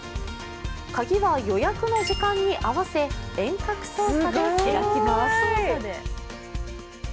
鍵は予約の時間に合わせ遠隔操作で開きます。